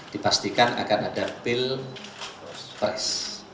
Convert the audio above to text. dipastikan akan ada pilpres